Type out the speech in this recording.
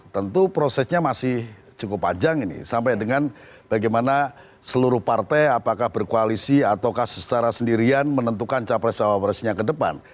tentu prosesnya masih cukup panjang ini sampai dengan bagaimana seluruh partai apakah berkoalisi ataukah secara sendirian menentukan capres cawapresnya ke depan